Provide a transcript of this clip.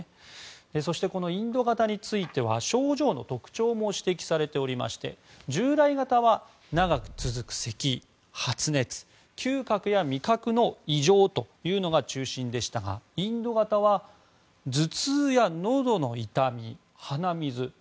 そして、インド型については症状の特徴も指摘されており従来型は長く続くせき、発熱嗅覚や味覚の異常というのが中心でしたがインド型は頭痛やのどの痛み、鼻水。